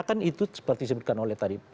kan itu seperti disebutkan oleh tadi